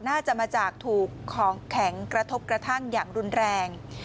น่าจะมาจากถูกของแข็งกระทบกระทั่งอย่างรุนแรง